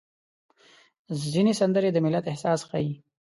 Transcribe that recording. ځینې سندرې د ملت احساس ښيي.